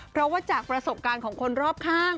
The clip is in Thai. เพราะว่าจากประสบการณ์ของคนรอบข้าง